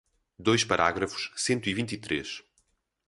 Dois parágrafos, cento e vinte e três